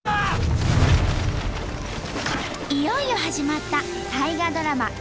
いよいよ始まった大河ドラマ